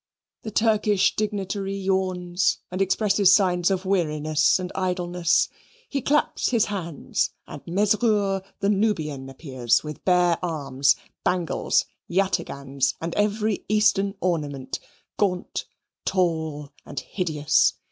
The Turkish dignitary yawns and expresses signs of weariness and idleness. He claps his hands and Mesrour the Nubian appears, with bare arms, bangles, yataghans, and every Eastern ornament gaunt, tall, and hideous.